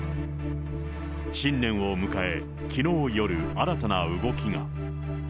新年を迎え、きのう夜、新たな動きが。